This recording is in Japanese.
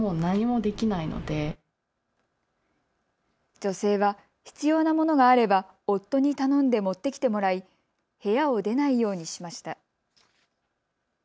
女性は必要なものがあれば夫に頼んで持ってきてもらい部屋を出ないようにしました。